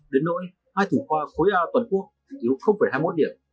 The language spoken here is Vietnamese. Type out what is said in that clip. đến nỗi hai thủ khoa khối a toàn quốc thiếu hai mươi một điểm